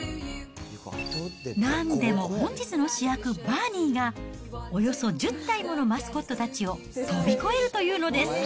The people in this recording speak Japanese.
なんでも本日の主役、バーニーが、およそ１０体ものマスコットたちを飛び越えるというのです。